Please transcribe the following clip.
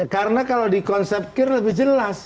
karena kalau di konsep kir lebih jelas